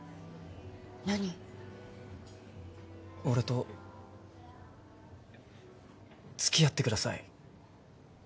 俺とつきあってください。